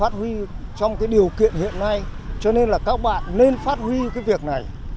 nhưng trong cái điều kiện hiện nay cho nên là các bạn nên phát huy cái việc này